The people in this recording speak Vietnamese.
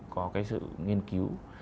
có cái sự nghiên cứu